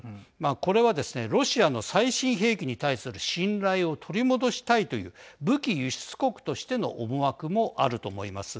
これはですねロシアの最新兵器に対する信頼を取り戻したいという武器輸出国としての思惑もあると思います。